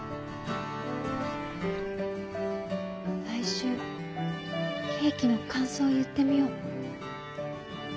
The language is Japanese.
来週ケーキの感想言ってみよう。